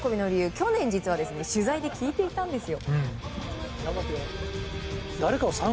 去年、実は取材で聞いていたんですよ。